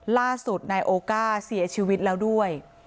ล่าสุดนายโอก้าเสียชีวิตแล้วด้วย